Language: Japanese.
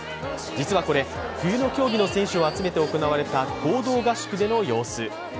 実はこれ、冬の競技の選手を集めて行われた合同合宿での様子。